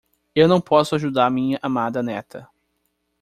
Eu não posso ajudar minha amada neta.